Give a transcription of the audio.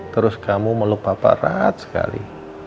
terus kamu meluk papa rahat sekali